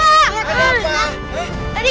tadi kita dikejar sama hantu leak di sana